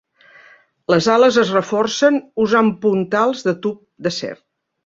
Les ales es reforcen usant puntals de tub d"acer.